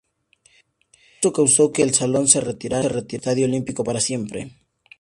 Esto causó que el salón se retirara del Estadio Olímpico para siempre.